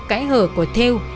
cãi hở của thêu